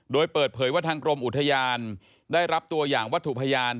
โดยเปิดเผยว่าทางกรมอุทยานได้รับตัวอย่างวัตถุพยาน